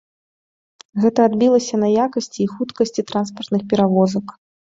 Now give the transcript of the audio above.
Гэта адбілася на якасці і хуткасці транспартных перавозак.